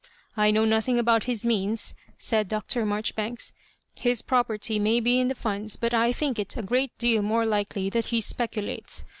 I know nothing about his means," said Dr. Maijoribanks; ''his property may be in the Funds, but I think it a great deal more likely tiiat he speculates.